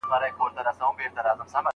هوغه انار دی .